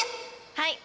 はい。